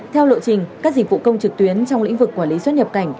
theo lộ trình các dịch vụ công trực tuyến trong lĩnh vực quản lý xuất nhập cảnh